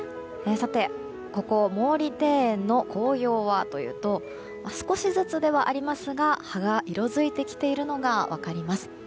さて、ここ毛利庭園の紅葉はというと少しずつではありますが葉が色づいてきているのが分かります。